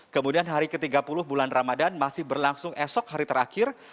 kemudian hari ke tiga puluh bulan ramadan masih berlangsung esok hari terakhir